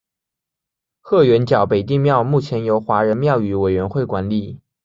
鹤园角北帝庙目前由华人庙宇委员会管理。